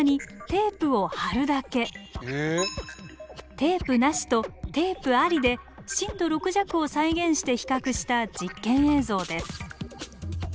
「テープ無し」と「テープあり」で震度６弱を再現して比較した実験映像です。